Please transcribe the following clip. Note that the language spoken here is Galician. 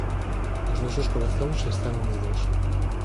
Os nosos corazóns están unidos.